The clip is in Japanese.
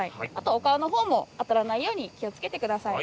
お顔も当たらないように気をつけてください。